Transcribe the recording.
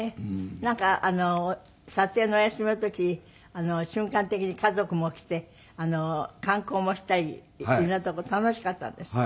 なんかあの撮影がお休みの時瞬間的に家族も来て観光もしたりいろんなとこ楽しかったんですって？